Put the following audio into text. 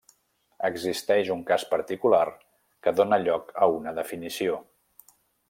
Existeix un cas particular que dóna lloc a una definició.